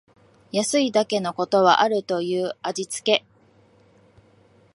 安いだけのことはあるという味つけ